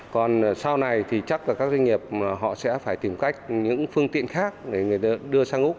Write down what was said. còn sau này thì chắc là các doanh nghiệp họ sẽ phải tìm cách những phương tiện khác để người ta đưa sang úc